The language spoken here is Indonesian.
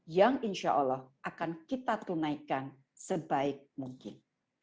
yang insya allah akan kita tunaikan sebaik mungkin